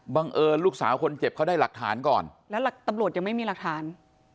เอิญลูกสาวคนเจ็บเขาได้หลักฐานก่อนแล้วตำรวจยังไม่มีหลักฐาน